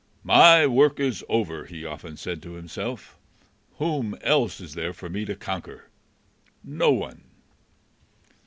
"My work is over," he often said to himself. "Whom else is there for me to conquer? No one."